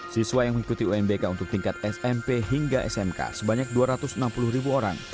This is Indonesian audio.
siswa yang mengikuti unbk untuk tingkat smp hingga smk sebanyak dua ratus enam puluh ribu orang